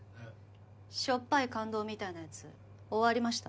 しょっぱい感動みたいなやつ終わりました？